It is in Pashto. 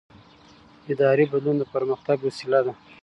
اداري بدلون د پرمختګ وسیله ده